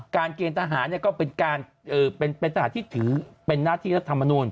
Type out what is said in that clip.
เกณฑ์ทหารก็เป็นการเป็นทหารที่ถือเป็นหน้าที่รัฐมนูล